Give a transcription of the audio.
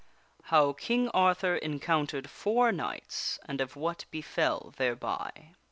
How King Arthur Encountered Four Knights and of What Befell Thereby.